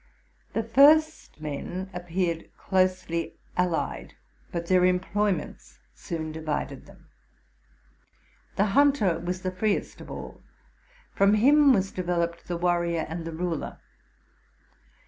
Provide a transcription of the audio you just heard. The first men appeared closely allied, but their employ ments soon divided them. The hunter was the freest of all: from him was developed the warrior and the ruler.